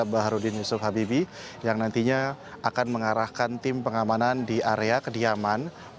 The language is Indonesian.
pak harudin yusuf habibie yang nantinya akan mengarahkan tim pengamanan di area kediaman